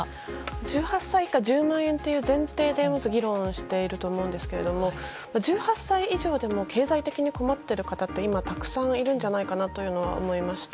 １８歳以下１０万円という前提でまず議論していると思うんですけれども、１８歳以上でも経済的に困っている方って今、たくさんいるんじゃないかなというのは思いました。